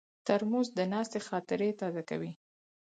ترموز د ناستې خاطرې تازه کوي.